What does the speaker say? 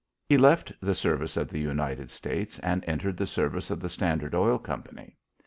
He left the service of the United States and entered the service of the Standard Oil Company.